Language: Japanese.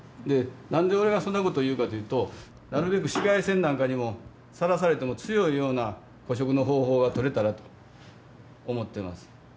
で何で俺がそんなこと言うかというとなるべく紫外線なんかにもさらされても強いような古色の方法がとれたらと思ってます。